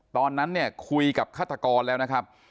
ตอนนั้นเนี่ยคุยกับฆาตกรแล้วนะครับ